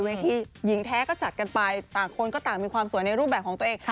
หญิงแท้ก็จัดกันไปต่างคนก็ต่างมีความสวยในรูปแบบของตัวเอง